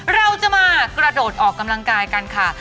เราจะมากระโดดออกกำลังกายกันค่ะ